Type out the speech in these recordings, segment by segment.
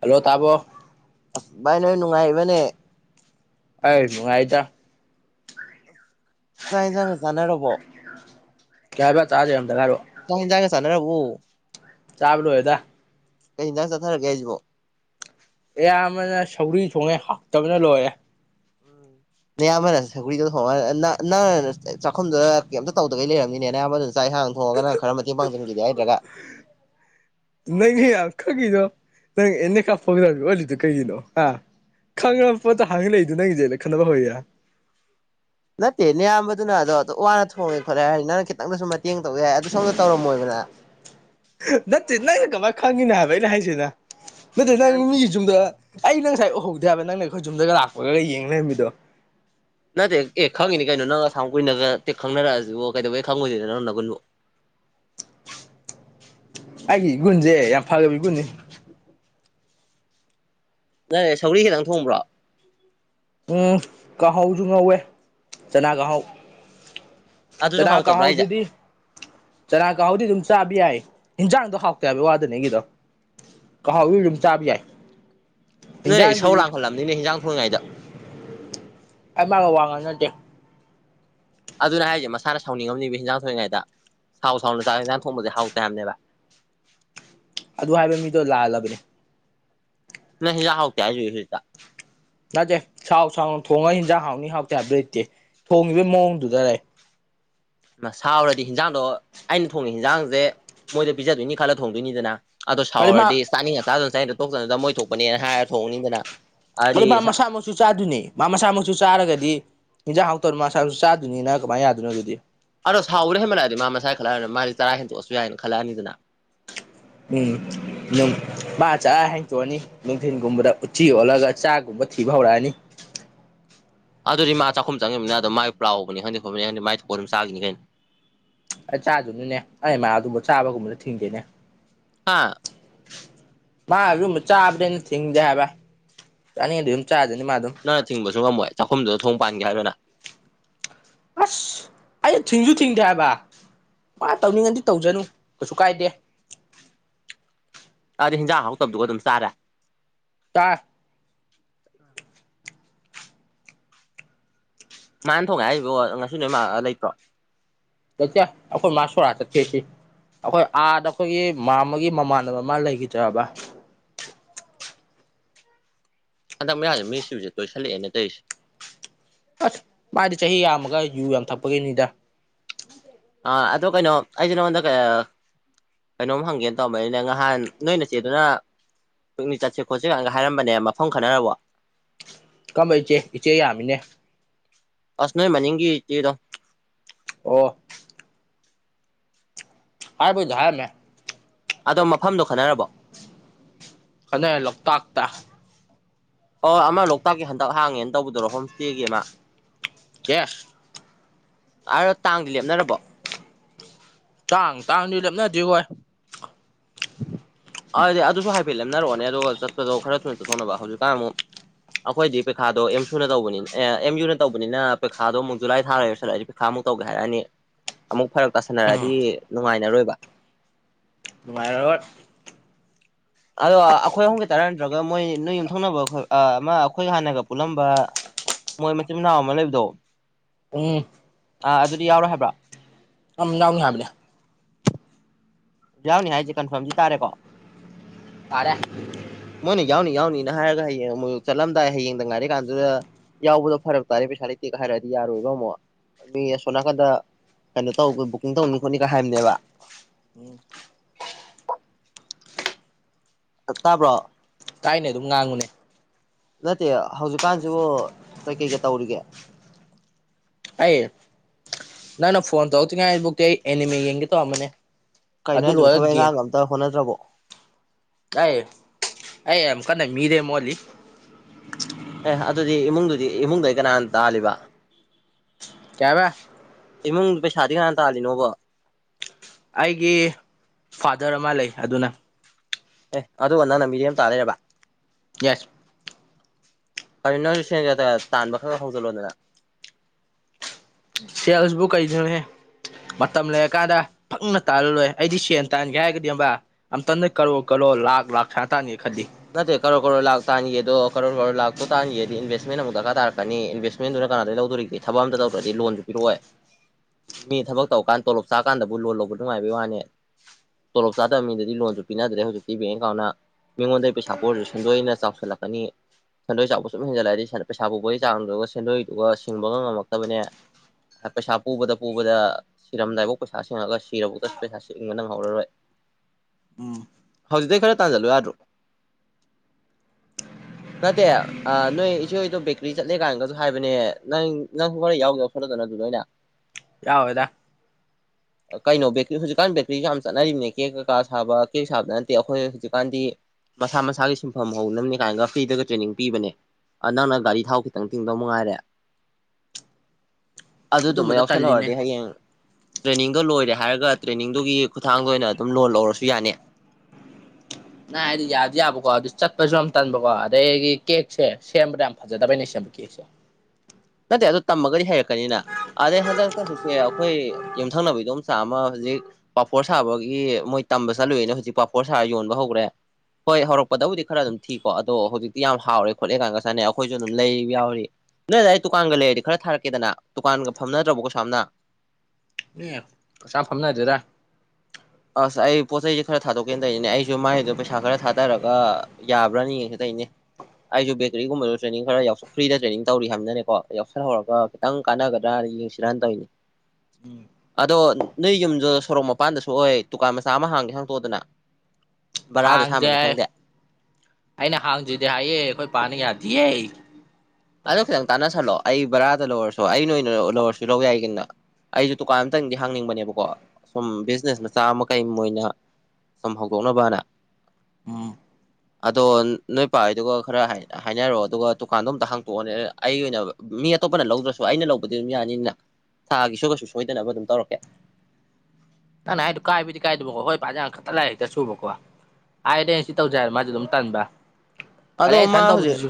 Hello ꯇꯥꯕꯣ ꯑꯁ ꯚꯥꯏ ꯅꯣꯏ ꯅꯨꯡꯉꯥꯏꯔꯤꯕꯅꯦ꯫ ꯑꯥꯏ ꯅꯨꯡꯉꯥꯏꯗꯥ ꯫ ꯆꯥꯛ ꯏꯟꯖꯥꯡꯒ ꯆꯥꯅꯔꯕꯣ꯫ ꯀꯩ ꯍꯥꯏꯕ ꯇꯥꯗꯦ ꯑꯝꯇꯒ ꯍꯥꯏꯔꯛꯑꯣ ꯆꯥꯛ ꯏꯟꯖꯥꯡꯒ ꯆꯥꯅꯔꯕꯣ ꯆꯥꯕ ꯂꯣꯏꯔꯦꯗ ꯀꯩ ꯏꯟꯖꯥꯡ ꯆꯥꯊꯥꯔꯒꯦ ꯍꯥꯏꯖꯤꯕꯣ ꯏꯌꯥꯝꯕꯅ ꯁꯧꯒ꯭ꯔꯤ ꯊꯣꯡꯉꯦ ꯍꯥꯎꯇꯕꯅ ꯂꯣꯏꯔꯦ ꯅꯌꯥꯝꯕꯅ ꯁꯧꯒ꯭ꯔꯤꯗꯣ ꯊꯣꯡꯉ ꯅꯪ ꯅꯪꯅ ꯆꯥꯛꯈꯨꯝꯗꯨꯗ ꯀꯩꯝꯇ ꯇꯧꯗꯒꯩ ꯂꯩꯔꯝꯅꯤꯅꯦ ꯅꯌꯥꯝꯕꯅ ꯆꯥꯛ ꯏꯟꯖꯥꯡꯗꯨ ꯊꯣꯡꯉꯒ ꯅꯪ ꯈꯔ ꯃꯇꯦꯡ ꯄꯥꯡꯖꯟꯒꯦꯗꯤ ꯍꯥꯏꯗ꯭ꯔꯒ UNINTELLIGIBLE ꯈꯪꯉꯕ ꯄꯣꯠꯇꯣ ꯍꯥꯡꯉ ꯂꯩꯏꯗꯨ ꯅꯪꯒꯤꯖꯦ ꯑꯩꯉꯣꯟꯗ ꯈꯠꯅꯕ ꯍꯧꯔꯤꯔꯥ ꯅꯠꯇꯦ ꯅꯌꯥꯝꯕꯗꯨꯅ ꯑꯗꯣ ꯑꯗꯨꯛ ꯋꯥꯅ ꯊꯣꯡꯉꯦ- ꯈꯣꯠꯂꯦ ꯍꯥꯏꯔꯗꯤ ꯅꯪꯅ ꯈꯤꯇꯪꯗꯖꯨ ꯃꯇꯦꯡ ꯇꯧꯕ ꯌꯥꯏ ꯑꯗꯨꯁꯨꯑꯃꯇ ꯇꯧꯔꯝꯃꯣꯏꯕ ꯅꯪ ꯅꯠꯇꯦ ꯅꯪꯅ ꯀꯃꯥꯏꯅ ꯈꯪꯉꯤꯅꯣ ꯍꯥꯏꯕ ꯑꯩꯅ ꯍꯥꯏꯖꯤꯅ ꯅꯠꯇꯦ ꯅꯪ ꯃꯤꯒꯤ ꯖꯨꯝꯗ ꯑꯩ ꯅꯪ ꯉꯁꯥꯏ ꯎꯍꯧꯗꯦ ꯍꯥꯏꯕ ꯅꯪꯅ ꯑꯩꯈꯣꯏ ꯖꯨꯝꯗꯒ ꯂꯥꯛꯄꯒ ꯌꯦꯡ ꯂꯩꯔꯝꯃꯤꯗꯣ ꯅꯠꯇꯦ ꯑꯦ ꯈꯪꯉꯤꯅꯤ ꯀꯩꯅꯣ ꯅꯪ ꯑꯁꯥꯝ ꯀꯨꯏꯅꯒ ꯇꯦ ꯈꯪꯅꯔꯛꯑꯖꯤꯕꯨ ꯀꯩꯗꯧꯕꯩ ꯈꯪꯉꯣꯏꯗꯣꯏꯅꯣ ꯅꯪ ꯅꯒꯨꯟꯕꯨ ꯑꯩꯒꯤ ꯏꯒꯨꯟꯖꯦ ꯌꯥꯝ ꯐꯒ꯭ꯔꯕ ꯏꯒꯨꯟꯅꯤ ꯅꯪꯖꯦ ꯁꯧꯒ꯭ꯔꯤ ꯈꯤꯇꯪ ꯊꯣꯡꯕ꯭ꯔꯣ ꯀꯥꯡꯍꯧꯖꯨ ꯉꯧꯋꯦ ꯆꯅꯥ ꯀꯥꯡꯍꯧ ꯑꯗꯨꯁꯨ ꯆꯅꯥ ꯍꯥꯎꯇꯕ꯭ꯔꯥ ꯍꯥꯏꯁꯦ ꯀꯥꯡꯍꯧꯗꯨꯗꯤ ꯆꯅꯥ ꯀꯥꯍꯥꯎꯗꯤ ꯑꯗꯨꯝ ꯆꯥꯕ ꯌꯥꯏ ꯏꯟꯖꯥꯡꯗꯣ ꯍꯥꯎꯇꯦ ꯍꯥꯏꯕ ꯋꯥꯗꯅꯦ ꯑꯩꯒꯤꯗꯣ ꯀꯥꯡꯍꯧꯗꯤ ꯑꯗꯨꯝ ꯆꯥꯕ ꯌꯥꯏ ꯅꯣꯏꯅ ꯏꯁꯧ ꯍꯤꯟꯖꯥꯡꯗꯨꯗꯤ ꯂꯥꯡꯈꯠꯂꯛꯕꯅꯤꯅꯦ ꯍꯤꯟꯖꯥꯡ ꯊꯣꯡꯏꯉꯩꯗ ꯑꯩ ꯃꯥꯒ ꯋꯥ ꯉꯥꯡꯅꯗꯦ ꯑꯗꯨꯅ ꯍꯥꯏꯖꯦ ꯃꯁꯥꯅ ꯁꯥꯎꯅꯤꯡꯉꯝꯅꯤꯕ ꯍꯤꯟꯖꯥꯡ ꯊꯣꯡꯏꯉꯩꯗ ꯁꯥꯎ ꯁꯥꯎꯅ ꯆꯥꯛ ꯍꯦꯟꯖꯥꯡ ꯊꯣꯡꯕꯖꯦ ꯍꯥꯎꯇꯦ ꯍꯥꯏꯕꯅꯦꯕ ꯑꯗꯨ ꯍꯥꯏꯕ ꯃꯤꯗꯣ ꯂꯥꯜꯂꯕꯅꯦ ꯅꯣꯢ ꯍꯤꯟꯖꯥꯡ ꯍꯥꯎꯇꯦ ꯍꯥꯏꯖꯦ ꯅꯠꯇꯦ ꯁꯥꯎ ꯁꯥꯎꯅ ꯊꯣꯡꯉ ꯍꯤꯟꯖꯥꯡ ꯍꯥꯎꯅꯤ ꯍꯥꯎꯇꯦ ꯍꯥꯏꯕ ꯂꯩꯇꯦ ꯊꯣꯡꯉꯤꯕ ꯃꯑꯣꯡꯗꯨꯗ ꯂꯩ ꯃꯥꯁꯥꯎꯔꯗꯤ ꯍꯤꯟꯖꯥꯡꯗꯣ ꯑꯩꯅ ꯊꯣꯡꯉꯤ ꯍꯤꯟꯖꯥꯡꯖꯦ ꯃꯣꯏꯗ ꯄꯤꯖꯗꯣꯏꯅꯤ ꯈꯜꯂ ꯊꯣꯡꯗꯣꯏꯅꯤꯗꯅ ꯑꯗꯣ ꯑꯗꯩ ꯃꯥ ꯁꯥꯎꯔꯗꯤ ꯆꯥꯅꯤꯡ- ꯆꯥꯖꯅꯨ ꯆꯅꯤꯡꯗ- ꯇꯣꯛꯆꯅꯨꯗ ꯃꯣꯏ ꯊꯣꯛꯄꯅꯦꯅ ꯍꯥꯏꯔ ꯊꯣꯡꯉꯅꯤꯗꯅ ꯗꯨ ꯃꯁꯥꯃꯛꯁꯨ ꯆꯥꯗꯣꯏꯅꯦ ꯃꯥ ꯃꯁꯥꯃꯛꯁꯨ ꯆꯥꯔꯒꯗꯤ ꯍꯤꯟꯖꯥꯡ ꯍꯥꯎꯇꯥ ꯃꯁꯥꯖꯨ ꯆꯥꯗꯣꯏꯅꯤꯅ ꯀꯃꯥꯏꯅ ꯌꯥꯗꯣꯏꯅꯣ ꯑꯗꯨꯗꯤ ꯑꯗꯣ ꯁꯥꯎꯕꯅ ꯍꯦꯟꯃꯜꯂꯛꯑꯗꯤ ꯃꯥ ꯃꯁꯥꯏ ꯈꯜꯂꯛꯑꯔꯣꯏ ꯃꯥꯗꯤ ꯆꯔꯥ ꯍꯦꯟꯇꯣꯛꯑꯁꯨ ꯌꯥꯏꯅ ꯈꯜꯂꯑꯅꯤꯗꯅ ꯎꯪ ꯑꯗꯨꯝ ꯃꯥ ꯆꯥꯔ ꯍꯦꯟꯇꯣꯛꯑꯅꯤ ꯅꯨꯡꯊꯤꯟꯒꯨꯝꯕꯗ ꯎꯆꯤ ꯑꯣꯜꯂꯒ ꯆꯥꯛꯒꯨꯝꯕ ꯊꯤꯕ ꯍꯧꯔꯛꯑꯅꯤ ꯑꯗꯨꯗꯤ ꯃꯥ ꯆꯥꯛꯈꯨꯝ ꯆꯪꯉꯤꯃꯤꯅ ꯑꯗꯨꯝ ꯃꯥꯏ ꯄ꯭ꯂꯥꯎ ꯍꯧꯕꯅꯤ ꯈꯪꯗꯦ ꯈꯣꯠꯄꯅꯤ ꯈꯪꯗꯦ ꯃꯥꯏ ꯊꯣꯛꯄ ꯑꯗꯨꯝ ꯆꯥꯈꯤꯅꯤ ꯀꯩꯅꯣ ꯑꯥ ꯆꯥꯖꯅꯨꯅꯦ ꯑꯩ ꯃꯥ ꯑꯗꯨꯕꯨ ꯆꯥꯕꯒꯨꯝꯕꯗꯨ ꯊꯤꯡꯗꯦꯅꯦ ꯍꯥꯥꯑ ꯃꯥ ꯑꯗꯨꯨꯝꯕ ꯆꯥꯕꯗꯤ ꯑꯩꯅ ꯊꯤꯡꯗꯦ ꯍꯥꯏꯕ ꯆꯥꯅꯤꯡꯉꯗꯤ ꯑꯗꯨꯝ ꯆꯥꯖꯅꯤ ꯃꯥ ꯑꯗꯨꯝ ꯅꯪꯅ ꯊꯤꯡꯕꯖꯨ ꯉꯝꯃꯣꯏ ꯆꯥꯛꯈꯨꯝꯗꯨꯗ ꯊꯣꯡ ꯄꯥꯟꯒꯦ ꯍꯥꯏꯔꯣ ꯅꯪ ꯑꯥꯁ ꯑꯩ ꯊꯤꯡꯖꯨ- ꯊꯤꯡꯗꯦ ꯍꯥꯏꯕ ꯃꯥꯅ ꯇꯧꯅꯤꯡꯉꯗꯤ ꯇꯧꯖꯅꯨ ꯀꯩꯁꯨ-ꯀꯥꯏꯗꯦ ꯑꯗꯤ ꯍꯤꯟꯖꯥꯡ ꯑꯍꯥꯎꯇꯕꯗꯨꯒ ꯑꯗꯨꯝ ꯆꯥꯔꯦ INAUDIBLE ꯃꯥꯥꯟꯅ ꯊꯣꯡꯉꯦ ꯍꯥꯏꯔꯤꯕꯣ ꯉꯁꯤ ꯅꯣꯏ ꯃꯥ ꯑꯥ ꯂꯩꯕ꯭ꯔꯣ ꯂꯩꯇꯦ ꯑꯩꯈꯣꯏ ꯃꯥ ꯁꯣꯔꯥꯠ ꯆꯠꯈꯤ ꯉꯁꯤ ꯑꯩꯈꯣꯏ ꯑꯥꯗ ꯑꯩꯈꯣꯏꯒꯤ ꯃꯥꯝꯃꯒꯤ ꯃꯃꯥꯟꯅꯕ ꯑꯃ ꯂꯩꯈꯤꯗ꯭ꯔꯦꯕ ꯍꯟꯗꯛ ꯃꯌꯥꯁꯦ ꯃꯤ ꯁꯤꯕꯁꯦ ꯇꯣꯏꯁꯟꯂꯛꯑꯦꯅꯦ ꯇꯧꯏꯁꯦ ꯑꯁ ꯃꯥꯗꯤ ꯆꯍꯤ ꯌꯥꯝꯃꯒ ꯌꯨ ꯌꯥꯝ ꯊꯛꯄꯒꯤꯅꯤꯗ ꯑ ꯑꯗꯣ ꯀꯩꯅꯣ ꯑꯩꯁꯨ ꯅꯉꯣꯟꯗ ꯀꯩ ꯑꯥ ꯀꯩꯅꯣꯝ ꯍꯪꯒꯦꯅ ꯇꯧꯔꯝꯕꯅꯤꯅꯦ ꯉꯍꯥꯟ ꯅꯣꯏ ꯅꯆꯦꯗꯨꯅ ꯄꯤꯛꯅꯤꯛ ꯆꯠꯁꯦ ꯈꯣꯠꯁꯦꯒ ꯍꯥꯏꯔꯝꯕꯅꯦ ꯃꯐꯝ ꯈꯟꯅꯔꯕꯣ ꯀꯝꯕ ꯏꯆꯦ ꯏꯆꯦ ꯌꯥꯝꯃꯤꯅꯦ ꯑꯁ ꯅꯣꯏ ꯃꯅꯤꯡꯒꯤ ꯏꯆꯦꯗꯣ ꯑꯣ ꯍꯥꯏꯕꯨꯗꯤ ꯍꯥꯏꯔꯝꯃꯦ ꯑꯗꯣ ꯃꯐꯝꯗꯣ ꯈꯟꯅꯔꯕꯣ ꯈꯟꯅꯔꯦ ꯂꯣꯛꯇꯥꯛꯇ ꯑꯣ ꯑꯃ ꯂꯣꯛꯇꯥꯛꯀꯤ ꯍꯟꯗꯛ ꯍꯥꯡꯉꯦꯅ ꯇꯧꯕꯗꯨꯔꯣ ꯍꯣꯝ ꯏꯁꯇꯦꯒꯤ ꯑꯃ ꯒꯦꯁ ꯑꯥꯔꯣ ꯇꯥꯡꯗꯤ ꯂꯦꯞꯅꯔꯕꯣ ꯇꯥꯡ ꯇꯥꯡꯗꯤ ꯂꯦꯞꯅꯗ꯭ꯔꯤ ꯈꯣꯏ ꯑꯗꯨꯗꯤ ꯑꯗꯨꯁꯨ ꯍꯥꯏꯐꯦꯠ ꯂꯦꯞꯅꯔꯛꯑꯣꯅꯦ ꯑꯗꯨꯒ ꯆꯠꯄꯗꯣ ꯈꯔ ꯊꯨꯅ ꯆꯠꯍꯧꯟꯅꯕ ꯍꯧꯖꯤꯛꯀꯥꯟ ꯑꯃꯨꯛ ꯑꯈꯣꯏꯗꯤ ꯄꯩꯈꯥꯗꯣ ꯑꯦꯝ ꯁꯨꯅ ꯇꯧꯕꯅꯤ ꯑꯦ ꯑꯦꯝ ꯌꯨꯅ ꯇꯧꯕꯅꯤꯅ ꯄꯩꯈꯥꯗꯣ ꯑꯃꯨꯛ ꯖꯨꯂꯥꯏ ꯊꯥ ꯌꯧꯁꯟꯂꯛꯑꯗꯤ ꯊꯥꯃꯨꯛ ꯇꯧꯒꯦ ꯍꯥꯏꯔꯛꯑꯅꯤ [inaudible] ꯑꯃꯨꯛ ꯐꯔꯛ ꯎꯝ ꯇꯥꯁꯟꯅꯔꯛꯑꯗꯤ ꯅꯨꯡꯉꯥꯏꯅꯔꯣꯏꯕ ꯅꯨꯡꯉꯥꯏꯑꯔꯣꯏ ꯑꯗꯣ ꯑꯈꯣꯏ ꯑꯍꯨꯝ ꯈꯤꯇꯔꯥ ꯅꯠꯇ꯭ꯔꯒ ꯃꯣꯏ ꯅꯣꯏ ꯌꯨꯝꯊꯪꯅꯕ ꯑꯃ ꯑꯈꯣꯏ ꯍꯥꯟꯅꯒ ꯄꯨꯜꯂꯝꯕ ꯃꯣꯏ ꯃꯆꯤꯟ ꯃꯅꯥꯎ ꯑꯃ ꯂꯩꯕꯗꯣ ꯎꯝ ꯑꯥ ꯑꯗꯨꯗꯤ ꯌꯥꯎꯔꯣꯏ ꯍꯥꯏꯕꯔꯥ ꯑꯝ ꯌꯥꯎꯅꯤ ꯍꯥꯏꯕꯅꯦ ꯌꯥꯎꯅꯤ ꯍꯥꯏꯁꯦ ꯀꯟꯐꯔꯝꯗꯤ ꯇꯥꯔꯦꯀꯣ ꯇꯥꯔꯦ ꯃꯣꯏꯅ ꯌꯥꯎꯅꯤ ꯌꯥꯎꯅꯤꯅ ꯍꯥꯏꯔꯒ ꯍꯌꯦꯡ ꯑꯃꯨꯛ ꯆꯠꯂꯝꯗꯥꯏ ꯍꯌꯦꯡꯗ ꯉꯥꯏꯔꯦꯀꯥꯟꯗꯨꯗ ꯌꯥꯎꯕꯗꯣ ꯐꯔꯛ ꯇꯥꯔꯦ ꯄꯩꯁꯥ ꯂꯩꯇꯦꯀ ꯍꯥꯏꯔꯛꯑꯗꯤ ꯌꯥꯔꯣꯏꯕ ꯑꯃꯨꯛ ꯃꯤ ꯑꯁꯣꯟꯅꯀꯟꯗ ꯀꯩꯅꯣ ꯇꯧꯕ ꯕꯨꯛꯀꯤꯡ ꯇꯧꯅꯤ ꯈꯣꯠꯅꯤꯒ ꯍꯥꯏꯕꯅꯦꯕ [inaudible] ꯑꯥ ꯇꯥꯕ꯭ꯔꯣ ꯇꯥꯏꯅꯦ ꯑꯗꯨꯝ ꯉꯥꯡꯉꯨꯅꯦ ꯅꯠꯇꯦ ꯍꯧꯖꯤꯛꯀꯥꯟꯁꯤꯕꯨ ꯀꯩ ꯀꯩꯒ ꯇꯧꯔꯤꯒꯦ ꯑꯩ ꯅꯪꯅ ꯐꯣꯟ ꯇꯧꯔꯛꯇ꯭ꯔꯤ ꯉꯥꯏꯕꯨꯛꯇꯤ ꯑꯩ ꯑꯦꯅꯤꯃꯦ ꯌꯦꯡꯒꯦ ꯇꯧꯔꯝꯕꯅꯦ ꯀꯩꯅꯣ ꯑꯗꯨ ꯍꯏꯁꯤꯕꯣ ꯂꯣꯏꯔꯒ ꯊꯕꯛ ꯒꯦꯝ ꯏꯪꯈꯥꯡꯒ ꯑꯝꯇ ꯍꯣꯠꯅꯗ꯭ꯔꯕꯣ ꯑꯩ ꯑꯩ ꯌꯥꯝ ꯀꯟꯅ ꯃꯤꯔꯦꯝ ꯑꯣꯜꯂꯤ ꯑꯦ ꯑꯗꯨꯗꯤ ꯏꯃꯨꯡꯗꯨꯗꯤ ꯏꯃꯨꯡꯗꯩ ꯀꯅꯥꯅ ꯇꯥꯜꯂꯤꯕ ꯀꯩ ꯍꯥꯏꯕ ꯏꯃꯨꯡ ꯄꯩꯁꯥꯗꯤ ꯀꯅꯥꯅ ꯇꯥꯜꯂꯤꯅꯣꯕ ꯑꯩꯒꯤ ꯐꯥꯗꯔ ꯑꯃ ꯂꯩ ꯑꯗꯨꯅ ꯑꯦ ꯑꯗꯨꯒ ꯅꯪꯅ ꯃꯤꯔꯦꯝ ꯇꯥ ꯂꯩꯔꯕ ꯌꯦꯁ ꯀꯔꯤ ꯅꯣꯏ ꯁꯦꯟ ꯒꯗ ꯇꯥꯟꯕ ꯈꯔ ꯈꯥ ꯍꯧꯖꯤꯜꯂꯣꯗꯅ ꯁꯦꯜ꯭ꯁꯕꯨ ꯀꯩꯖꯅꯦ ꯃꯇꯝ ꯂꯩꯔꯀꯥꯟꯗ ꯐꯪꯅ ꯇꯥꯜꯂꯂꯣꯏ ꯑꯩꯗꯤ ꯁꯦꯟ ꯇꯥꯟꯒꯦ ꯍꯥꯏꯔꯒꯗꯤ ꯑꯝꯕꯥ ꯑꯝꯇꯪꯗ ꯀꯔꯣ ꯀꯔꯣꯜ ꯂꯥꯛ ꯂꯥꯛ ꯁꯥ ꯇꯥꯟꯒꯦ ꯈꯜꯂꯤ ꯅꯠꯇꯦ ꯀꯔꯣꯔ ꯀꯔꯣꯔ ꯂꯥꯛ ꯇꯥꯟꯒꯦꯗꯣ ꯀꯔꯣꯔ ꯀꯔꯣꯔ ꯂꯥꯛꯇꯣ ꯇꯥꯟꯒꯦꯗꯤ ꯏꯟꯚꯦꯁꯃꯦꯟ ꯑꯃꯨꯛ ꯗꯔꯀꯥꯔ ꯇꯥꯔꯛꯀꯅꯤ ꯏꯟꯚꯦꯁ ꯃꯦꯟꯗꯨꯅ ꯀꯅꯥꯗꯒꯤ ꯂꯧꯗꯨꯔꯤꯒꯦ ꯊꯕꯛ ꯑꯝꯇ ꯇꯧꯗ꯭ꯔꯗꯤ ꯂꯣꯟꯁꯨ ꯄꯤꯔꯛꯑꯣꯏ [inaudible] ꯃꯤ ꯊꯕꯛ ꯇꯧꯀꯥꯟ ꯇꯣꯂꯣꯞ ꯆꯥꯀꯥꯟꯗꯕꯨ ꯂꯣꯟ ꯂꯧꯕ ꯉꯥꯏꯕꯩ ꯋꯥꯅꯤ ꯇꯣꯂꯣꯞ ꯆꯥꯗꯕ ꯃꯤꯗꯗꯤ ꯂꯣꯟꯁꯨ ꯄꯤꯅꯗ꯭ꯔꯦ ꯍꯧꯖꯤꯛꯇꯤ ꯕꯦꯡ ꯑꯦꯀꯥꯎꯟꯅ ꯃꯤꯉꯣꯟꯗꯩ ꯄꯩꯁꯥ ꯄꯨꯔꯁꯨ ꯁꯦꯟꯗꯣꯏꯅ ꯆꯥꯎꯁꯤꯜꯂꯛꯀꯅꯤ ꯁꯦꯟꯗꯣꯏ ꯆꯥꯎꯕ ꯁꯨꯝ ꯍꯦꯟꯖꯜꯂꯛꯑꯗꯤ ꯄꯩꯁꯥ ꯄꯨꯕꯒꯤ ꯆꯥꯡꯗꯨꯒ ꯁꯦꯟꯗꯣꯏꯗꯨꯒ ꯁꯤꯡꯕꯒ ꯉꯝꯃꯛꯇꯕꯅꯦ ꯄꯩꯁꯥ ꯄꯨꯕꯗ ꯄꯨꯕꯗ ꯁꯤꯔꯝꯗꯥꯏꯕꯥꯎ ꯄꯩꯁꯥ ꯁꯤꯡꯉꯒ ꯁꯤꯔꯕꯨꯛꯇ ꯄꯩꯁꯥ ꯁꯤꯡꯕ ꯅꯪꯍꯧꯔꯔꯣꯏ [inaudible] ꯍꯧꯖꯤꯠꯇꯩ ꯈꯔ ꯇꯥꯟꯖꯤꯜꯂꯨ ꯌꯥꯗ꯭ꯔꯣ ꯅꯠꯇꯦ ꯑꯥ ꯅꯣꯏ ꯏꯆꯦꯗꯣ ꯕꯦꯀꯔꯤ ꯆꯠꯂꯦ ꯒꯥꯏꯅꯒꯁꯨ ꯍꯥꯏꯕꯅꯦ ꯅꯪ ꯅꯪ ꯈꯔ ꯌꯥꯎꯗ ꯈꯣꯠꯂꯗꯅ ꯑꯗꯨꯗ ꯑꯣꯏꯅ ꯌꯥꯎꯔꯣꯢꯗ ꯀꯩꯅꯣ ꯕꯦꯠꯀꯤꯠ ꯍꯧꯖꯤꯛꯀꯥꯟ ꯕꯦꯀ꯭ꯔꯤꯁꯨ ꯌꯥꯝ ꯆꯠꯅꯔꯤꯕꯅꯦ ꯀꯦꯛ ꯀꯦꯀꯥ ꯁꯥꯕ ꯀꯦꯛ ꯁꯥꯕ ꯅꯠꯇꯦ ꯑꯩꯈꯣꯏ ꯍꯧꯖꯤꯛꯀꯥꯟꯗꯤ ꯃꯁꯥ ꯃꯁꯥꯒꯤ ꯁꯤꯟꯐꯝ ꯍꯧꯅꯕꯅꯦ ꯀꯥꯏꯅꯒ ꯐ꯭ꯔꯤꯗꯒ ꯇ꯭ꯔꯦꯅꯤꯡ ꯄꯤꯕꯅꯦ ꯑꯥ ꯅꯪꯅ ꯒꯥꯔꯤ ꯊꯥꯎ ꯈꯤꯇꯪ ꯇꯤꯡꯗꯧ ꯃꯉꯥꯏꯔꯦ [inaudible] ꯑꯗꯨꯗꯨꯃ ꯇꯜꯂꯤꯅꯦ ꯌꯥꯎꯁꯜꯍꯧꯔꯗꯤ ꯍꯌꯦꯡ ꯇ꯭ꯔꯦꯅꯤꯡꯗꯣ ꯂꯣꯏꯔꯦ ꯍꯥꯏꯔꯒ ꯇ꯭ꯔꯦꯅꯤꯡꯗꯨꯒꯤ ꯈꯨꯠꯊꯥꯡꯗ ꯑꯣꯏꯅ ꯗꯨꯝ ꯂꯣꯟ ꯂꯧꯔꯁꯨ ꯌꯥꯅꯤ ꯅꯪ ꯍꯥꯏꯔꯤꯗꯣ ꯌꯥꯗꯤ ꯌꯥꯕꯀꯣ ꯑꯗꯨ ꯆꯠꯄꯁꯨ ꯌꯥꯝ ꯇꯟꯕꯀꯣ ꯑꯗꯩꯒꯤ ꯀꯦꯛꯁꯦ ꯁꯦꯝꯕꯗ ꯐꯖꯗꯕꯩ ꯅꯦ ꯁꯦꯝ ꯀꯦꯛꯁꯦ ꯅꯠꯇꯦ ꯑꯗꯨ ꯇꯝꯃꯒꯗꯤ ꯍꯩꯔꯛꯀꯅꯤꯅ ꯑꯗꯩ ꯍꯟꯗꯛꯇꯁꯨ ꯁꯦ ꯑꯩꯈꯣꯏ ꯌꯨꯝꯊꯪꯅꯕꯩꯗꯣ ꯑꯣꯣꯝꯗꯣꯝꯆꯥ ꯑꯃ ꯍꯧꯖꯤꯛ ꯄꯥꯐꯣꯔ ꯁꯥꯕꯒꯤ ꯃꯣꯏ ꯇꯝꯕ ꯆꯠꯂꯨꯏꯌꯦꯅ ꯍꯧꯖꯤꯛ ꯄꯥꯐꯣꯔ ꯁꯥꯔꯥ ꯌꯣꯟꯕ ꯍꯧꯒ꯭ꯔꯦ ꯍꯣꯏ ꯍꯧꯔꯛꯄꯗꯕꯨꯗꯤ ꯈꯔ ꯊꯤꯀꯣ ꯑꯗꯣ ꯍꯧꯖꯤꯛꯇꯤ ꯌꯥꯝ ꯍꯥꯎꯔꯦ ꯈꯣꯠꯂꯦ ꯒꯥꯏꯅꯒ ꯆꯥꯟꯅꯩ ꯑꯩꯈꯣꯏꯁꯨ ꯑꯗꯨꯝ ꯂꯩꯕ ꯌꯥꯎꯔꯤ ꯅꯣꯏ ꯑꯗꯥꯏ ꯗꯨꯀꯥꯟꯒ ꯂꯩꯔꯗꯤ ꯈꯔ ꯊꯥꯔꯛꯀꯦꯗꯅ ꯗꯨꯀꯥꯟꯒ ꯐꯝꯅꯗ꯭ꯔꯕ ꯀꯩꯁꯨꯌꯥꯝꯅ ꯑꯦ ꯀꯩꯁꯨꯑꯥꯝ ꯐꯝꯅꯗ꯭ꯔꯦꯗ ꯑꯁ ꯑꯩ ꯄꯣꯠ ꯆꯩꯁꯦ ꯈꯔ ꯊꯥꯗꯣꯛꯀꯦꯅ ꯇꯩꯅꯤꯅꯦ ꯑꯩꯁꯨ ꯃꯥꯏꯗꯣ ꯄꯩꯁꯥ ꯈꯔ ꯊꯥꯗꯔꯛ ꯒ ꯌꯥꯕ꯭ꯔꯥꯅꯥ ꯌꯦꯡꯒꯦ ꯇꯩꯅꯦ ꯑꯩꯁꯨ ꯕꯦꯀ꯭ꯔꯤꯒꯨꯝꯕꯗ ꯇ꯭ꯔꯦꯅꯤꯡ ꯈꯔ ꯌꯥꯎꯁ ꯐ꯭ꯔꯤꯗ ꯇ꯭ꯔꯦꯅꯤꯡ ꯇꯧꯔꯤ ꯍꯥꯏꯕꯅꯅꯦꯀꯣ ꯌꯥꯎꯁꯜꯍꯧꯔꯒ ꯈꯤꯇꯪ ꯀꯥꯟꯅꯒꯗ꯭ꯔꯥꯅ ꯌꯦꯡꯁꯤꯔꯥꯅ ꯇꯧꯏꯅꯤ [inaudible] ꯑꯗꯣ ꯅꯣꯏ ꯌꯨꯝꯖꯣ ꯁꯣꯔꯣꯛ ꯃꯄꯥꯟꯗ ꯁꯣ ꯁꯨꯑꯣꯏ ꯗꯨꯀꯥꯟ ꯃꯆꯥ ꯑꯃ ꯍꯥꯡꯒꯦ ꯍꯥꯡꯗꯣꯛꯑꯣꯗꯅ ꯍꯥꯡꯖꯦ ꯍꯥꯢ ꯑꯩꯅ ꯍꯥꯡꯖꯤꯗꯤ ꯍꯥꯏꯌꯦ ꯑꯩꯈꯣꯏ ꯄꯥꯅ ꯌꯥꯗꯤꯌꯦ ꯑꯗꯣ ꯈꯤꯇꯪ ꯇꯥꯟꯅꯁꯤꯜꯂꯣ ꯑꯩ ꯕꯔꯥꯗ ꯂꯧꯔꯁꯨ ꯑꯩꯅ ꯑꯣꯏꯅ ꯂꯧꯔꯁꯨ ꯂꯧ ꯌꯥꯏ ꯀꯩꯅꯣ ꯑꯩꯁꯨ ꯗꯨꯀꯥꯟ ꯑꯝꯇꯪꯗꯤ ꯍꯥꯡꯅꯤꯡꯕꯅꯦꯕꯀꯣ ꯁꯨꯝ ꯕꯤꯖꯤꯅꯦꯁ ꯃꯆꯥ ꯑꯃ ꯀꯩꯃ ꯑꯣꯏꯅ ꯁꯨꯝ ꯍꯧꯗꯣꯛꯅꯕꯅ ꯎꯝ ꯑꯗꯣ ꯅꯣꯏ ꯄꯥꯏꯗꯨꯒ ꯈꯔ ꯍꯥꯏ ꯍꯥꯏꯅꯔꯣ ꯑꯗꯨꯒ ꯗꯨꯀꯥꯟꯗꯣ ꯑꯝꯇ ꯍꯪ ꯀꯣꯅꯦ ꯑꯩꯒꯤ ꯑꯣꯏꯅꯕ ꯃꯤ ꯑꯇꯣꯞꯄꯅ ꯂꯧꯗ꯭ꯔꯥꯁꯨ ꯑꯩꯅ ꯂꯧꯕꯗꯤ ꯑꯗꯨꯝ ꯌꯥꯅꯤꯅ ꯊꯥꯒꯤꯁꯨ ꯀꯩꯁꯨ ꯁꯣꯏꯗꯅꯕ ꯑꯗꯨꯝ ꯇꯧꯔꯛꯀꯦ ꯅꯪꯅ ꯍꯥꯏꯗꯣ ꯀꯥꯏꯕꯨꯗꯤ ꯀꯥꯏꯗꯕꯀꯣ ꯈꯣꯏ ꯄꯥꯖꯤꯅ ꯀꯇꯜ ꯂꯥꯏ ꯍꯦꯛꯇ ꯈꯔ ꯆꯨꯕ ꯀꯣ꯫ ꯍꯥꯏꯗꯤ ꯑꯩꯟ ꯁꯤ ꯇꯧꯖꯦ ꯍꯥꯢꯕꯗ ꯃꯥꯁꯦ ꯑꯗꯨꯝ ꯇꯟꯕ ꯑꯗꯣ ꯑꯗꯩ ꯑꯩ ꯊꯟ ꯇꯧꯕꯗꯨꯁꯨ꯫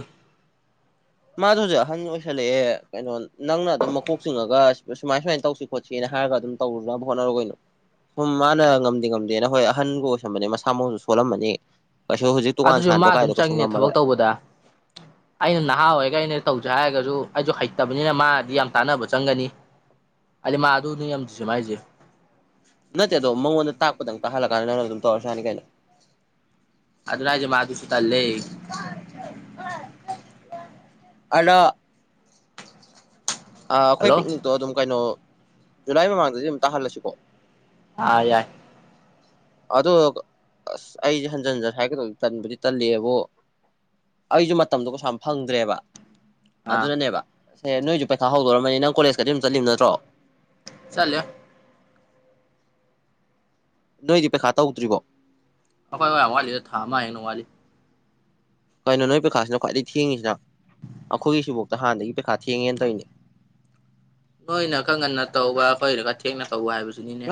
ꯃꯥꯗꯨ ꯍꯧꯖꯤꯛ ꯑꯍꯟ ꯑꯣꯏꯁꯜꯂꯛꯑꯦ ꯀꯩꯅꯣ ꯅꯪꯅ ꯑꯗꯨꯝ ꯃꯀꯣꯛ ꯆꯤꯡꯉꯒ ꯁꯨꯃꯥꯏ ꯁꯨꯃꯥꯏꯅ ꯇꯧꯁꯤ꯫ ꯈꯣꯠꯁꯤꯅ ꯍꯥꯏꯔꯒ ꯑꯗꯨꯝ ꯇꯧꯔꯨꯅꯕ ꯍꯣꯠꯅꯔꯣ ꯀꯩꯅꯣ꯫ ꯁꯨꯝ ꯃꯥꯅ ꯉꯝꯗꯦ ꯉꯝꯗꯦꯅ ꯍꯣꯏ ꯑꯍꯟꯒ ꯑꯣꯏꯁꯟꯕꯅꯦ ꯃꯁꯥ ꯃꯎꯁꯨ ꯁꯣꯜꯂꯝꯃꯅꯤ ꯀꯩꯁꯨ ꯍꯨꯖꯤꯛ꯫ ꯑꯗꯨꯁꯨ ꯃꯥ ꯑꯗꯨꯝ ꯆꯪꯉꯤꯅꯦ ꯊꯕꯛ ꯇꯧꯕꯗ꯫ ꯑꯩꯅ ꯅꯍꯥ ꯑꯣꯏꯔꯒ ꯑꯩꯅ ꯇꯧꯖꯦ ꯍꯥꯏꯔꯒꯖꯨ ꯑꯩꯁꯨ ꯍꯩꯇꯕꯅꯤꯅ ꯃꯥꯗꯤ ꯌꯥꯝ ꯇꯥꯟꯅꯕ ꯆꯪꯒꯅꯤ꯫ ꯍꯥꯏꯗꯤ ꯃꯥ ꯑꯗꯨꯅꯤ ꯌꯥꯝ ꯁꯨꯝ ꯍꯥꯏꯖꯦ꯫ ꯅꯠꯇꯦ ꯑꯗꯣ ꯃꯉꯣꯟꯗ ꯇꯥꯛꯄꯗꯪ ꯇꯥꯛꯍꯜꯂꯛꯀꯥꯟꯗ ꯅꯪꯅ ꯑꯗꯨꯝ ꯇꯧꯔꯁꯨ ꯌꯥꯅꯤ ꯀꯩꯅꯣ꯫ ꯑꯗꯨꯅꯦ ꯍꯥꯏꯖꯦ ꯃꯥ ꯑꯗꯨꯁꯨ ꯇꯜꯂꯦ꯫ ꯑꯅ ꯑ ꯑꯈꯣꯏ ꯍꯜꯂꯣ ꯄꯤꯛꯅꯤꯛꯇꯣ ꯑꯗꯨꯝ ꯀꯩꯅꯣ ꯖꯨꯂꯥꯏ ꯃꯃꯥꯡꯗꯗꯤ ꯑꯗꯨꯝ ꯇꯥꯍꯜꯂꯁꯤꯀꯣ꯫ ꯑ ꯌꯥꯏ ꯑꯗꯣ ꯑꯁ ꯑꯩꯖꯦ ꯍꯟꯖꯟ ꯍꯟꯖꯟ ꯍꯥꯏꯒꯗꯧ ꯇꯟꯕꯨꯗꯤ ꯇꯜꯂꯛꯑꯦꯕꯣ ꯑꯩꯖꯨ ꯃꯇꯝꯗꯣ ꯀꯁꯨ ꯌꯥꯝ ꯐꯪꯗ꯭ꯔꯦꯕ꯫ ꯑꯥ ꯑꯗꯨꯅꯅꯦꯕ ꯁꯦ ꯅꯣꯏꯁꯨ ꯄꯩꯈꯥ ꯍꯧꯗꯣꯔꯝꯃꯅꯤ ꯅꯪ ꯀꯣꯂꯦꯖꯀꯗꯤ ꯑꯗꯨꯝ ꯆꯠꯂꯤꯕ ꯅꯠꯇ꯭ꯔꯣ? ꯆꯠꯂꯦ꯫ ꯅꯣꯏꯗꯤ ꯄꯩꯈꯥ ꯇꯧꯗ꯭ꯔꯤꯕꯣ? ꯑꯈꯣꯏ ꯌꯥꯝ ꯋꯥꯠꯂꯤꯗ ꯊꯥ ꯑꯃꯥ ꯍꯦꯟꯅ ꯋꯥꯠꯂꯤ꯫ ꯀꯩꯅꯣ ꯅꯣꯏ ꯄꯩꯈꯥꯁꯤꯅ ꯈ꯭ꯋꯥꯏꯗꯩꯩ ꯊꯦꯡꯉꯤꯁꯤꯅ ꯑꯩꯈꯣꯏꯒꯤ ꯁꯤꯕꯣꯛꯇ ꯍꯥꯟꯅꯗꯒꯤ ꯄꯩꯈꯥ ꯊꯦꯡꯉꯦꯅ ꯇꯧꯏꯅꯦ꯫ ꯅꯣꯏꯅ ꯈꯔ ꯉꯟꯅ ꯇꯧꯕ ꯑꯈꯣꯏꯒꯤꯅ ꯈꯔ ꯊꯦꯡꯅ ꯇꯧꯕ ꯍꯥꯏꯕꯁꯤꯅꯤꯅꯦ꯫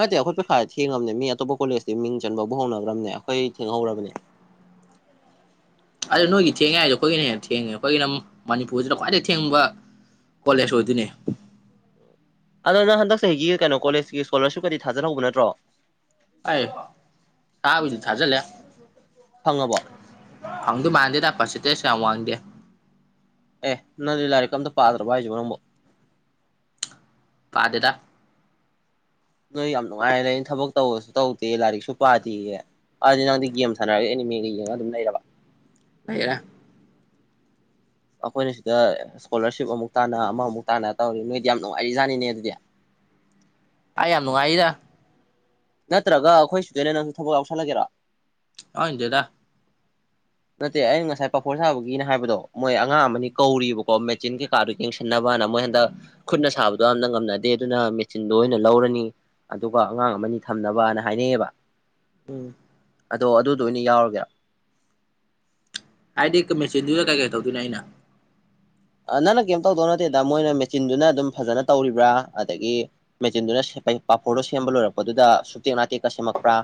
ꯐ ꯊꯦꯡꯉꯝꯅꯦ ꯃꯤ ꯑꯇꯣꯞꯄ ꯀꯣꯂꯦꯖꯇꯤ ꯃꯤꯡ ꯆꯟꯕꯕꯥꯎ ꯍꯧꯅꯒꯔ꯭ꯝꯅꯦ ꯑꯩꯈꯣꯏ ꯊꯦꯡꯍꯧꯔꯕꯅꯦ꯫ ꯑꯗꯨ ꯅꯣꯏꯒꯤ ꯊꯦꯡꯉꯦ ꯍꯥꯏꯁꯦ ꯈꯣꯏꯒꯤꯅ ꯍꯦꯟꯅ ꯊꯦꯡꯉꯦ ꯑꯩꯈꯣꯏꯒꯤꯅ ꯃꯅꯤꯄꯨꯔꯁꯤꯗ ꯈ꯭ꯋꯥꯏꯗꯩꯩ ꯊꯦꯡꯕ ꯀꯣꯂꯦꯖ ꯑꯣꯏꯗꯨꯅꯦ꯫ ꯑꯗꯣ ꯅꯪ ꯍꯟꯗꯛ ꯆꯍꯤꯒꯤ ꯀꯩꯅꯣ ꯀꯣꯂꯦꯁꯀꯤ ꯁꯀꯣꯂꯔꯞꯀꯗꯤ ꯊꯥꯖꯟꯍꯧꯕ ꯅꯠꯇ꯭ꯔꯣ? ꯑꯥꯏ ꯊꯥꯕꯨꯗꯤ ꯊꯥꯖꯜꯂꯦ꯫ ꯐꯪꯉꯕꯣ ꯐꯪꯗꯨ ꯃꯥꯟꯗꯦꯗ ꯄꯥꯁꯦꯟꯇꯦꯁ ꯌꯥꯝ ꯋꯥꯡꯗꯦ꯫ ꯑꯦ ꯅꯪꯗꯤ ꯂꯥꯏꯔꯤꯛꯀ ꯑꯝꯇ ꯄꯥꯗ꯭ꯔꯕ ꯍꯥꯏꯖꯤꯕꯣ ꯅꯪꯕꯣ꯫ ꯄꯥꯗꯦꯗꯥ ꯅꯣꯏ ꯌꯥꯝ ꯅꯨꯡꯉꯥꯏꯅ ꯂꯩꯅ ꯊꯕꯛ ꯇꯧꯕꯁꯨ ꯇꯧꯗꯦ ꯂꯥꯏꯔꯤꯛꯁꯨ ꯄꯥꯗꯦꯌꯦ꯫ ꯑꯗꯤ ꯅꯪꯗꯤ ꯒꯦꯝ ꯁꯥꯟꯅꯔ ꯑꯦꯅꯤꯃꯦꯒꯥ ꯌꯦꯡꯉ ꯑꯗꯨꯝ ꯂꯩꯔꯕ? ꯂꯩꯔꯦ ꯑꯈꯣꯏꯅ ꯁꯤꯗ ꯁꯀꯣꯂꯥꯔꯁꯤꯞ ꯑꯃꯨꯛ ꯇꯥꯅ ꯑꯃꯃꯨꯛ ꯇꯥꯅ ꯇꯧꯔꯤ ꯅꯣꯏꯗꯤ ꯌꯥꯝ ꯅꯨꯡꯉꯥꯏꯔꯤꯖꯥꯠꯅꯤꯅꯦ ꯑꯗꯨꯗꯤ꯫ ꯑꯩ ꯌꯥꯝ ꯅꯨꯡꯉꯥꯏꯔꯤꯗ꯫ ꯅꯠꯇ꯭ꯔꯒ ꯈꯣꯏ ꯁꯤꯗ ꯑꯣꯏꯅ ꯅꯪꯁꯨ ꯊꯕꯛ ꯌꯥꯎꯁꯜꯂꯒꯦꯔꯣ? ꯌꯥꯎꯡꯗꯦꯗꯥ ꯅꯠꯇꯦ ꯑꯩꯅ ꯉꯁꯥꯏ ꯄꯥꯐꯣꯔ ꯁꯥꯕꯒꯤꯅ ꯍꯥꯏꯕꯗꯣ ꯃꯣꯏ ꯑꯉꯥꯡ ꯑꯃꯅꯤ ꯀꯧꯔꯤꯕꯀꯣ ꯃꯦ ꯆꯤꯟ ꯀꯩꯀꯥꯗꯣ ꯌꯦꯡꯁꯤꯟꯅꯕꯅ ꯃꯣꯏ ꯍꯟꯗꯛ꯫ ꯈꯨꯠꯅ ꯁꯥꯕꯗꯣ ꯌꯥꯝꯅ ꯉꯝꯅꯗꯦ ꯑꯗꯨꯅ ꯃꯦꯆꯤꯟꯗꯣ ꯑꯣꯏꯅ ꯂꯧꯔꯅꯤ꯫ ꯑꯗꯨꯒ ꯑꯉꯥꯡ ꯑꯃꯅꯤ ꯊꯝꯅꯕꯅ ꯍꯥꯏꯅꯩꯌꯦꯕ꯫ ꯎꯝ ꯑꯗꯣ ꯑꯗꯨꯗꯣ ꯑꯣꯏꯅ ꯌꯥꯎꯔꯒꯦꯔꯥ ꯍꯥꯏꯗꯤ ꯀ ꯃꯦꯆꯤꯟꯗꯨꯗ ꯀꯩ ꯀꯩ ꯇꯧꯗꯣꯏꯅꯣ ꯑꯩꯅ? ꯑꯥ ꯅꯪꯅ ꯀꯩꯝ ꯇꯧꯗꯧ ꯅꯠꯇꯦꯗ ꯃꯣꯏꯅ ꯃꯦꯆꯤꯟꯗꯨꯅ ꯑꯗꯨꯝ ꯐꯖꯅ ꯇꯧꯔꯤꯕ꯭ꯔꯥ ꯑꯗꯒꯤ꯫ ꯃꯦꯆꯤꯟꯗꯨꯅ ꯁꯦꯞ ꯄꯥꯐꯣꯔꯗꯩꯅ ꯁꯦꯝꯕ ꯂꯣꯏꯔꯛꯄꯗꯨꯗ ꯁꯨꯛꯇꯦꯛ ꯅꯥꯇꯦꯛꯀ ꯁꯦꯝꯃꯛꯄ꯭ꯔꯥ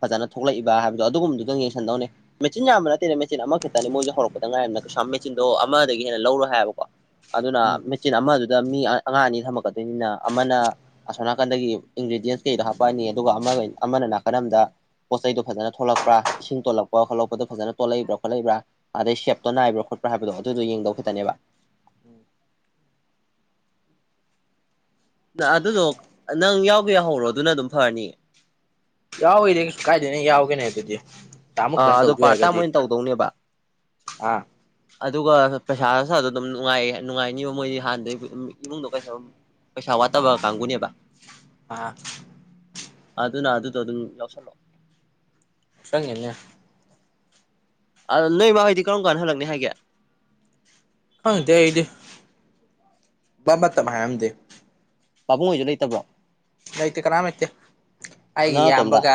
ꯐꯖꯅ ꯊꯣꯛꯂꯛꯏꯕ ꯍꯥꯏꯕꯗꯣ ꯑꯗꯨꯒꯨꯝꯕꯗꯨꯗꯪ ꯌꯦꯡꯁꯟꯗꯧꯅꯦ ꯃꯦꯆꯤꯟ ꯌꯥꯝꯕ ꯅꯠꯇꯦꯅ ꯃꯦꯆꯤꯟ ꯑꯃꯈꯛꯇꯅꯤ ꯃꯣꯏꯁꯨ ꯍꯧꯔꯛꯄꯗ ꯉꯥꯏꯔꯤꯝꯅꯤꯅ ꯀꯩꯁꯨ ꯌꯝ ꯃꯦꯆꯤꯟꯗꯣ ꯑꯃꯗꯒꯤ ꯍꯦꯟꯅ ꯂꯧꯔꯣꯏ ꯍꯥꯏꯕꯀꯣ ꯎꯝ ꯑꯗꯨꯅ ꯃꯦꯆꯤꯟ ꯑꯃꯗꯨꯗ ꯃꯤ ꯑꯉꯥꯡ ꯑꯅꯤ ꯊꯝꯃꯛꯀꯗ ꯅꯤꯅ ꯑꯃꯅ ꯑꯁꯣꯝ ꯅꯥꯀꯟꯗꯒꯤ ꯏꯟꯒ꯭ꯔꯤꯗꯤꯌꯦꯟꯁ ꯀꯩꯗꯣ ꯍꯥꯞꯄꯛꯑꯅꯤ ꯑꯗꯨꯒ ꯑꯃꯒ ꯑꯃꯅ ꯅꯥꯀꯟ ꯑꯝꯗ ꯄꯣꯠ ꯆꯩꯗ ꯐꯖꯅ ꯊꯣꯛꯂꯛꯄꯔꯥ ꯏꯁꯤꯡ ꯇꯣꯂꯛꯄ ꯈꯣꯠꯂꯄꯣ ꯐꯖꯅ ꯇꯣꯂꯛꯏꯕ꯭ꯔ ꯈꯣꯠꯂꯛꯏꯕ꯭ꯔ ꯑꯗꯩ ꯁꯦꯞꯇꯣ ꯅꯥꯏꯕꯔꯥ ꯈꯣꯠ ꯄꯔꯥ ꯍꯥꯏꯕꯗꯣ ꯑꯗꯨꯗꯣ ꯌꯦꯡꯗꯧ ꯈꯤꯇꯅꯦꯕ ꯎꯝ ꯅ ꯑꯗꯨꯗꯣ ꯅꯪ ꯌꯥꯎꯒꯦ ꯌꯥꯎꯍꯧꯔꯣ ꯑꯗꯨꯅ ꯑꯗꯨꯝ ꯐꯔꯅꯤꯌꯦ ꯌꯥꯎꯕꯩꯗꯤꯑꯩ ꯀꯩꯁꯨ ꯀꯥꯏꯗꯦꯅꯦ ꯌꯥꯎꯒꯦꯅꯦ ꯑꯗꯨꯗꯤ ꯇꯥꯃꯣ ꯑꯥ ꯈꯤꯇꯪ ꯑꯗꯣ ꯇꯧꯗꯣꯏ ꯄꯥꯔꯠ ꯇꯥꯝ ꯑꯣꯏꯔꯒꯗꯤ ꯑꯣꯏꯅ ꯇꯧꯗꯧꯅꯦꯕ ꯑꯥ ꯑꯗꯨꯒ ꯄꯩꯁꯥꯁꯥꯗꯣ ꯑꯗꯨꯝ ꯅꯨꯡꯉꯥꯏ ꯅꯨꯡꯉꯥꯏꯅꯤꯕ ꯃꯣꯏꯗꯤ ꯅꯍꯥꯟꯗꯩ ꯏꯃꯨꯡꯗꯣꯑꯗꯨꯝ ꯄꯩꯁꯥ ꯋꯥꯠꯇꯕ ꯀꯥꯡꯕꯨꯅꯦꯕ ꯑꯥ ꯑꯗꯨꯅ ꯑꯗꯨꯗꯣ ꯑꯗꯨꯝ ꯌꯥꯎꯁꯜꯂꯣ ꯆꯪꯉꯤꯅꯦ ꯑꯗꯣ ꯅꯣꯏ ꯃꯥꯍꯣꯏꯗꯤ ꯀꯔꯟꯅ ꯍꯜꯂꯛꯅꯤ ꯍꯥꯏꯒꯦ ꯈꯪꯗꯦ ꯑꯩꯗꯤ ꯕ ꯃꯇꯝ ꯍꯥꯏꯔꯝꯗꯦ ꯄꯥꯕꯨꯡꯍꯣꯏꯁꯨ ꯂꯩꯇꯕ꯭ꯔꯣ ꯂꯩꯇꯦ ꯀꯅꯥ ꯂꯩꯇꯦ ꯑꯩꯒꯤ ꯅꯪ ꯅꯇꯣꯝꯗ ꯏꯌꯥꯝꯕꯒ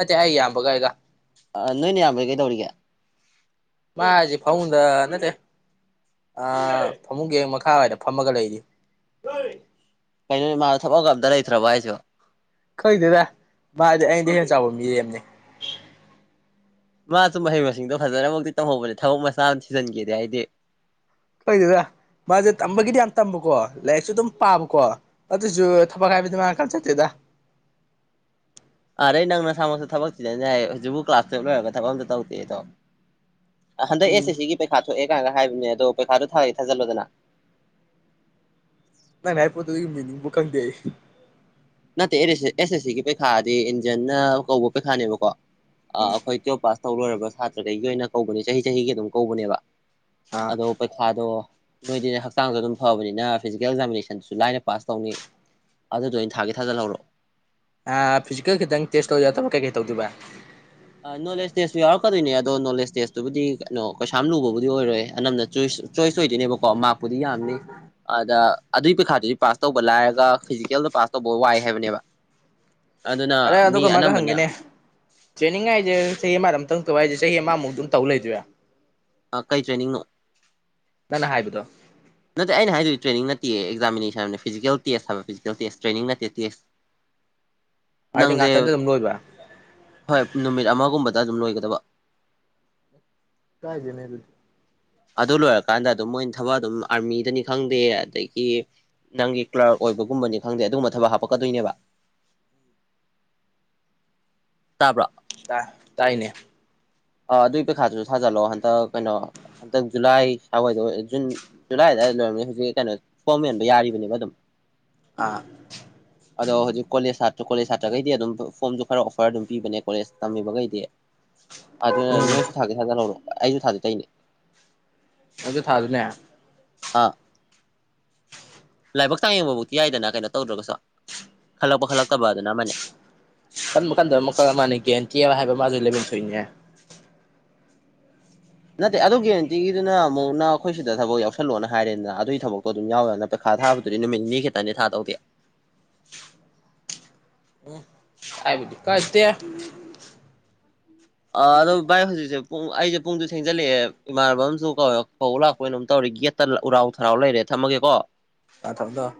ꯑꯦ ꯑꯩꯒꯤ ꯏꯌꯥꯝꯕꯒ ꯑꯩꯒ ꯅꯣꯏꯅ ꯅꯌꯥꯝꯕꯗꯤ ꯀꯩꯗꯧꯔꯤꯒꯦ ꯃꯥꯁꯦ ꯍꯥꯏꯖꯦ ꯐꯃꯨꯡꯗꯥ ꯅꯠꯇꯦ ꯑ ꯐꯃꯨꯡꯒꯤ ꯍꯦꯛ ꯃꯈꯥꯋꯥꯏꯗ ꯐꯝꯃꯒ ꯂꯩꯔꯤ ꯀꯩꯅꯣꯅꯦ ꯃꯥ ꯊꯕꯛꯒ ꯑꯝꯇ ꯂꯩꯇ꯭ꯔꯕ ꯍꯥꯏꯁꯨ ꯈꯪꯗꯦꯗ ꯃꯥꯗꯤ ꯑꯩꯉꯣꯟꯗꯩ ꯍꯦꯟꯅ ꯆꯥꯎꯕ ꯃꯤꯔꯦꯝꯅꯦ ꯃꯥꯁꯨꯨ ꯃꯍꯩ ꯃꯁꯤꯡꯗꯣ ꯐꯖꯅꯃꯛꯇꯤ ꯇꯝꯍꯧꯕꯅꯦ ꯊꯕꯛ ꯃꯆꯥ ꯑꯃ ꯊꯤꯖꯤꯟꯒꯦꯗꯦ ꯍꯥꯏꯗꯤ ꯈꯪꯗꯦꯗ ꯃꯥꯁꯦ ꯇꯝꯕꯒꯤꯗꯤ ꯌꯥꯝ ꯇꯝꯕꯀꯣ ꯂꯥꯏꯔꯤꯛꯁꯨ ꯑꯗꯨꯝ ꯄꯥꯕꯀꯣ ꯑꯗꯣꯏꯁꯨ ꯊꯕꯛ ꯍꯥꯏꯕꯗꯤ ꯃꯥ ꯀꯟ ꯆꯠꯇꯦꯗ ꯑꯥꯗꯩ ꯅꯪ ꯅ ꯁꯥꯃꯛꯁꯨ ꯊꯕꯛ ꯊꯤꯖꯤꯟ ꯌꯥꯏ ꯍꯧꯖꯤꯛꯄꯨ ꯀ꯭ꯂꯥꯁ ꯇꯦꯞ ꯂꯣꯏꯔꯒ ꯊꯕꯛ ꯑꯝꯇ ꯇꯧꯗꯦꯗꯣ ꯍꯟꯗꯛ ꯑꯦꯁ ꯎꯝ ꯑꯦꯁꯤꯒꯤ ꯄꯩꯈꯥ ꯊꯣꯛꯑꯦ ꯀꯥꯏꯒ ꯍꯥꯏꯕꯅꯦ ꯑꯗꯣ ꯄꯩꯈꯥꯗꯨꯣ ꯊꯥꯒꯦ ꯊꯥꯖꯤꯜꯂꯣꯗꯅ ꯅꯪꯅ ꯍꯥꯏ ꯄꯣꯠꯇꯨ ꯑꯗꯨꯒꯤ ꯃꯤꯅꯤꯡꯕꯨ ꯈꯪꯗꯦ ꯑꯩ ꯅꯠꯇꯦ ꯑꯦꯁ ꯑꯦꯁ ꯁꯤꯒꯤ ꯄꯩꯈꯥꯗꯤ ꯏꯟꯖꯟꯅ ꯀꯧꯕ ꯄꯩꯈꯥꯅꯦꯕꯀꯣ ꯑꯩꯈꯣꯏ ꯇꯨꯋꯦꯜ ꯄꯥꯁ ꯇꯧ ꯂꯣꯏꯔꯕ ꯁꯥꯇ꯭ꯔꯈꯩꯒꯤ ꯑꯣꯏꯅ ꯀꯧꯕꯅꯦ ꯆꯍꯤ ꯆꯍꯤꯒꯤ ꯑꯗꯨꯝ ꯀꯧꯕꯅꯦꯕ ꯑꯥ ꯑꯗꯣ ꯁꯥꯗꯣ ꯅꯣꯏꯗꯤ ꯍꯛꯆꯥꯡꯗ ꯑꯗꯨꯝ ꯐꯕꯅꯤꯅ ꯐꯤꯖꯤꯀꯦꯜ ꯑꯦꯛꯖꯥꯃꯤꯅꯦꯁꯟꯗꯨꯁꯨ ꯂꯥꯏꯅ ꯄꯥꯁ ꯇꯧꯅꯤ ꯑꯗꯨꯗꯣ ꯑꯣꯏ ꯊꯥꯒꯦ ꯊꯥꯖꯤꯜꯍꯧꯔꯣ ꯐꯤꯖꯤꯀꯦꯜ ꯈꯤꯇꯪ ꯇꯦꯁ ꯇꯧ ꯌꯥꯗꯕ ꯀꯩ ꯀꯩ ꯇꯧꯗꯣꯏꯕ ꯅꯣꯂꯦꯖ ꯇꯦꯁꯇꯨ ꯌꯥꯎꯔꯛꯀꯗꯣꯏꯅꯦ ꯑꯗꯣ ꯅꯣꯂꯦꯖ ꯇꯦꯁꯇꯨꯕꯨꯗꯤ ꯀꯩꯅꯣ ꯀꯩꯁꯥꯝ ꯂꯨꯕꯕꯨꯗꯤ ꯑꯣꯏꯔꯣꯏ ꯑꯅꯝꯅ ꯆꯣꯏꯁ ꯆꯣꯏꯁ ꯑꯣꯏꯗꯣꯏꯅꯦꯕꯀꯣ ꯃꯥꯛꯄꯨꯗꯤ ꯌꯥꯝꯅꯤ ꯑꯗ ꯑꯗꯨꯒꯤ ꯄꯩꯈꯥꯗꯨꯗꯤ ꯄꯥꯁ ꯇꯧꯕ ꯂꯥꯏꯔꯒ ꯐꯤꯖꯤꯀꯦꯜꯗ ꯄꯥꯁ ꯇꯧꯕ ꯋꯥꯏ ꯍꯥꯏꯕꯅꯦꯕ ꯑꯗꯨꯅ ꯑꯗꯥ ꯑꯗꯨ ꯃꯤ ꯀꯃꯥꯏꯒ ꯑꯅꯝꯕꯅ ꯍꯪꯒꯦꯅꯦ ꯇ꯭ꯔꯦꯅꯤꯡ ꯍꯥꯏꯁꯦ ꯆꯍꯤ ꯑꯃꯗꯝꯇꯪ ꯇꯧꯕ ꯍꯥꯏꯁꯦ ꯆꯍꯤ ꯑꯃꯃꯨꯛ ꯑꯗꯨꯝ ꯇꯧ ꯂꯩꯗꯣꯏꯔꯥ ꯀꯩ ꯇ꯭ꯔꯦꯅꯤꯡꯅꯣ ꯅꯪꯅ ꯍꯥꯏꯕꯗꯣ ꯅꯠꯇꯦ ꯑꯩꯅ ꯍꯥꯏꯗꯣꯏꯗꯤ ꯇ꯭ꯔꯦꯅꯤꯡ ꯅꯠꯇꯤꯌꯦ ꯑꯦꯛꯖꯥꯃꯤꯅꯦꯁꯟ ꯐꯤꯖꯤꯀꯦꯜ ꯇꯦꯁ ꯍꯥꯏꯕ ꯐꯤꯖꯤꯀꯦꯜ ꯇꯦꯁ ꯇ꯭ꯔꯦꯅꯤꯡ ꯅꯠꯇꯦ ꯇꯦꯁ [unintelligible] ꯅꯪꯁꯦ ꯉꯥꯛꯇꯟꯗ ꯑꯗꯨꯝ ꯂꯣꯏꯕ ꯍꯣꯏ ꯅꯨꯃꯤꯠ ꯑꯃꯒꯨꯝꯕꯗ ꯑꯗꯨꯝ ꯂꯣꯏꯒꯗꯕ ꯀꯥꯏꯗꯦꯅꯦ ꯑꯗꯨ ꯑꯗꯨ ꯂꯣꯏꯔꯀꯥꯟꯗ ꯑꯗꯨꯝ ꯃꯣꯏꯅ ꯊꯕꯛ ꯑꯗꯨꯝ ꯑꯥꯔꯃꯤꯗꯅꯤ ꯈꯪꯗꯦ ꯑꯗꯒꯤ ꯅꯪꯒꯤ ꯀ꯭ꯂꯥꯔꯛ ꯑꯣꯏꯕꯒꯨꯝꯕꯅꯤ ꯈꯪꯗꯦ ꯑꯗꯨꯒꯨꯝꯕ ꯊꯕꯛ ꯍꯥꯞꯄꯛꯀꯗꯨꯏꯅꯦꯕ ꯇ ꯇꯥꯏꯅꯦ ꯑ ꯑꯗꯨꯏ ꯄꯩꯈꯥꯗꯨꯖꯨ ꯊꯥꯖꯜꯂꯣ ꯍꯟꯗꯛ ꯀꯩꯅꯣ ꯍꯟꯗꯛ ꯖꯨꯂꯥꯏ ꯁꯋꯥꯏꯗ ꯑꯣꯏ ꯖꯨꯟ ꯖꯨꯂꯥꯏ ꯑꯗꯥꯏꯗ ꯂꯣꯏꯔꯝꯃꯅꯤ ꯍꯨꯖꯤꯛ ꯀꯩꯅꯣ ꯐꯣꯝ ꯃꯦꯟꯕ ꯌꯥꯔꯤꯕꯅꯦꯕ ꯑꯗꯨꯝ ꯑꯥ ꯑꯗꯣ ꯍꯨꯖꯤꯛ ꯀꯣꯂꯦꯖ ꯁꯇ꯭ꯔꯥ ꯀꯣꯂꯦꯖ ꯁꯥꯇ꯭ꯔꯒꯩꯗꯤ ꯑꯗꯨꯝ ꯐꯣꯝꯖꯨ ꯈꯔ ꯄꯔ ꯑꯗꯨꯝ ꯄꯤꯕꯅꯦ ꯀꯣꯂꯦꯖ ꯇꯝꯃꯤꯕꯒꯩꯗꯤ ꯑꯗꯨꯅ ꯎꯝ ꯅꯣꯏ ꯊꯥꯒꯦ ꯊꯥꯖꯜ ꯍꯧꯔꯣ ꯑꯩꯖꯨ ꯊꯥꯖꯦ ꯇꯩꯅꯦ ꯑꯖꯨ ꯊꯥꯗꯨꯅꯦ ꯑ ꯂꯥꯏꯕꯛ ꯆꯥꯡ ꯌꯦꯡꯕꯕꯨꯛꯇꯤ ꯌꯥꯏꯗꯅ ꯀꯩꯅꯣ ꯇꯧꯗ꯭ꯔꯒꯁꯨ ꯈꯜꯂꯛꯄ ꯈꯜꯂꯛꯇꯕ ꯑꯗꯨꯅ ꯑꯃꯥꯅꯦ ꯈꯟꯕ ꯈꯟꯗꯕ ꯃ ꯃꯈꯜ ꯑꯃꯅꯦ ꯒꯟꯇꯤ ꯍꯥꯏꯕ ꯃꯥꯖꯣ ꯂꯩꯕꯝ ꯊꯣꯛꯏꯅꯦ ꯅꯠꯇꯦ ꯑꯗꯨ ꯒꯦꯔꯦꯟꯇꯤꯒꯤꯗꯨꯅ ꯑꯃꯨꯛꯅ ꯑꯈꯣꯏ ꯁꯤꯗ ꯊꯕꯛ ꯌꯥꯎꯁꯜꯂꯣꯅ ꯍꯥꯏꯔꯦꯅ ꯑꯗꯨꯏ ꯊꯕꯛꯇꯣ ꯑꯗꯨꯝ ꯌꯥꯎ ꯌꯥꯅ ꯥ ꯄꯩꯈꯥ ꯊꯥꯕꯗꯨꯗꯤ ꯅꯨꯃꯤꯠꯅꯤꯅꯤ ꯈꯤꯠꯇꯅꯦ ꯊꯥꯗꯧꯗꯤ ꯀꯥꯏꯕꯨꯗꯤ ꯀꯥꯏꯗꯦ ꯑꯥ ꯑꯗꯣ ꯚꯥꯏ ꯍꯨꯖꯤꯛꯆꯦ ꯄꯨꯡ ꯑꯩꯖꯦ ꯄꯨꯡꯖꯨ ꯊꯦꯡꯖꯜꯂꯛꯑꯦ ꯏꯃꯥꯟꯅꯕ ꯑꯝꯖꯨ [unintelligible] ꯀꯧꯕ ꯂꯥꯛꯄ꯭ꯔ ꯀꯩꯅꯣꯝ ꯇꯧꯔꯤ ꯒꯦꯠ ꯑꯣꯏꯅ ꯑꯃꯝ ꯇꯧꯔꯤ ꯒꯦꯠ ꯇ ꯎꯔꯥꯎ ꯊꯔꯥꯎ ꯂꯩꯔꯦ ꯊꯝꯃꯒꯦꯀꯣ ꯑ ꯊꯝꯊꯝ